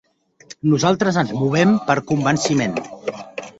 Nosaltres ens movem per convenciment.